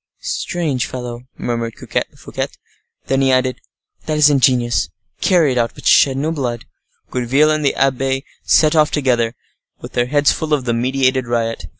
"Strange fellow," murmured Fouquet. Then he added, "That is ingenious. Carry it out, but shed no blood." Gourville and the abbe set off together, with their heads full of the meditated riot.